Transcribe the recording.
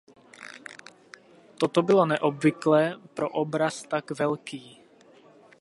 Toto bylo neobvyklé pro obraz tak velký.